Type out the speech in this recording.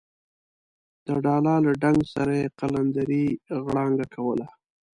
د ډاله له ډنګ سره یې قلندرې غړانګه کوله.